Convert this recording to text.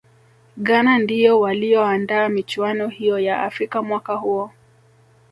ghana ndiyo waliyoandaa michuano hiyo ya afrika mwaka huo